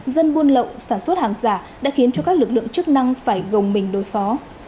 dân buôn lậu sản xuất hàng giả đã khiến cho các lực lượng chức năng phải gồng mình đối phó